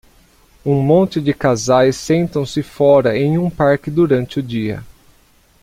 Um monte de casais sentam-se fora em um parque durante o dia.